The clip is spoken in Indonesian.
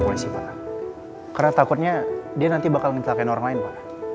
karena takutnya dia nanti bakal ngintelakain orang lain pak